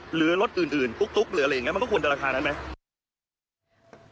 หรือลดอื่นตุ๊กหรืออะไรเนี่ยมันก็ควรจะราคานั้นไหม